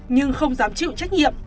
nhưng không dám chịu trách nhiệm